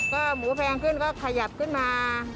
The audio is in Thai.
ก็หมูแพงขึ้นก็ขยับขึ้นมา